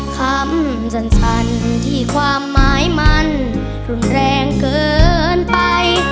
คำสั้นที่ความหมายมันรุนแรงเกินไป